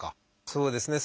そうですね。